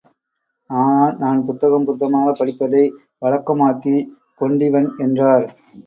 ஆனால், நான் புத்தகம் புத்தகமாகப் படிப்பதை வழக்கமாக்கிக் கொண்டிவன் என்றார்!